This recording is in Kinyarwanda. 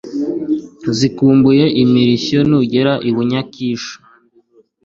Zikumbuye imirishyo. Nugera i Bunyakisho